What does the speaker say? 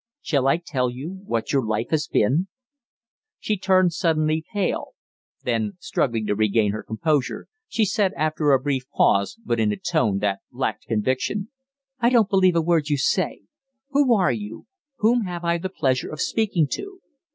Shall I tell you what your life has been?" She turned suddenly pale. Then, struggling to regain her composure, she said after a brief pause, but in a tone that lacked conviction: "I don't believe a word you say. Who are you? Whom have I the pleasure of speaking to?"